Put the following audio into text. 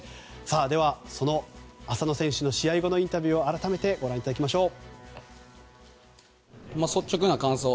ではその浅野選手の試合後のインタビューを改めてご覧いただきましょう。